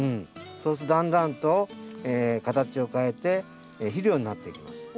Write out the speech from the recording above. そうするとだんだんと形を変えて肥料になっていきます。